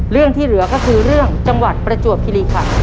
เรื่องที่เหลือก็คือเรื่องจังหวัดประจวบคิริขัน